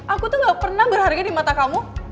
aku tuh gak pernah berharga di mata kamu